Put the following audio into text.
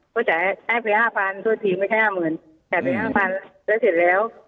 เค้าจ่ายให้๕๐๐๐บาทโทษทีไม่ใช่๕๐๐๐๐บาทจ่ายไป๕๐๐๐บาทแล้วเสร็จแล้ว